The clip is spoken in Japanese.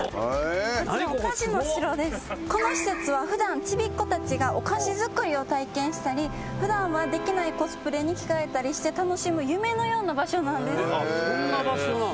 この施設は普段ちびっ子たちがお菓子作りを体験したり普段はできないコスプレに着替えたりして楽しむ夢のような場所なんです。